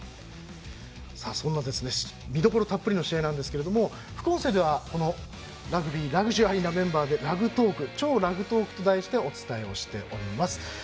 そんな見どころたっぷりの試合ですが副音声では、ラグビーラグジュアリーなメンバーで「超ラグトーク」と題してお伝えしております。